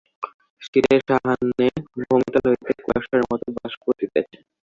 শীতের সায়াহ্নে ভূমিতল হইতে কুয়াশার মতো বাষ্প উঠিতেছে।